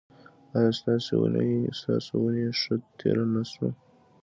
ایا ستاسو اونۍ ښه تیره نه شوه؟